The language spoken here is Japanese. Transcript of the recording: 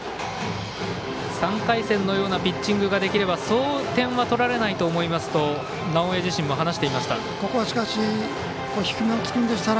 ３回戦のようなピッチングができればそう点は取られないと思いますと直江自身も話していました。